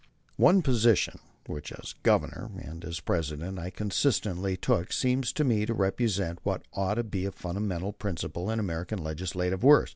One position which as Governor (and as President) I consistently took, seems to me to represent what ought to be a fundamental principle in American legislative work.